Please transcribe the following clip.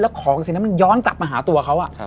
แล้วของเสียงนั้นมันย้อนกลับมาหาตัวเขาอะ